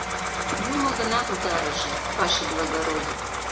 — Юмо гына утарыже, ваше благородий!